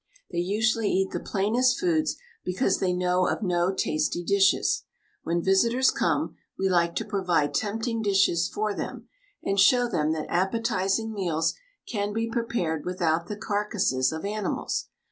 They usually eat the plainest foods, because they know of no tasty dishes. When visitors come, we like to provide tempting dishes for them, and show them that appetising meals can be prepared without the carcases of animals.